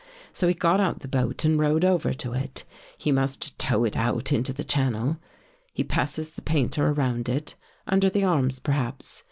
So he got out the boat and rowed over to it. He must tow it out into the channel. He passes the painter around it, under the arms, perhaps.